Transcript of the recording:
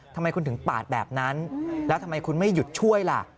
ทำไมคุณถึงปาดแบบนั้นแล้วทำไมคุณไม่หยุดช่วยล่ะ